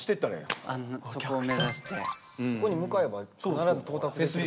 そこに向かえば必ず到達できるから。